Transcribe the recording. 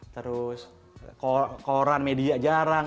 terus koran media jarang